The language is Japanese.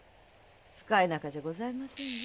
深い仲じゃございませんよ。